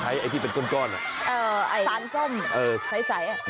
ใช้ไอ้ที่เป็นก้นน่ะสารส้มใสน่ะเออ